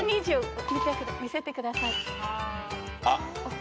１２０見せてください。